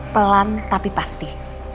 pelan tapi pasti